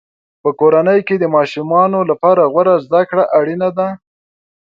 په کورنۍ کې د ماشومانو لپاره غوره زده کړه اړینه ده.